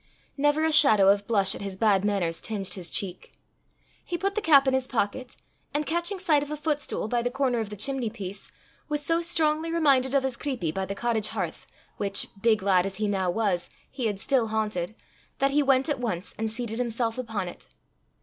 Never a shadow of blush at his bad manners tinged his cheek. He put the cap in his pocket, and catching sight of a footstool by the corner of the chimney piece, was so strongly reminded of his creepie by the cottage hearth, which, big lad as he now was, he had still haunted, that he went at once and seated himself upon it.